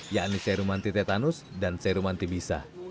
yakni serum anti tetanus dan serum anti bisa